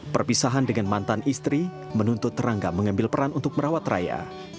perpisahan dengan mantan istri menuntut rangga mengambil peran untuk merawat raya